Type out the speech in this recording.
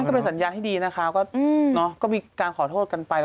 ก็เป็นสัญญาที่ดีนะคะก็มีการขอโทษกันไป